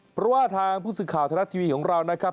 เพราะว่าทางผู้สื่อข่าวธนัดทีวีของเรานะครับ